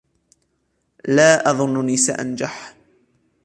لا أظنني سأنجح.